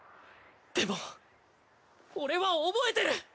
でも俺は覚えてる！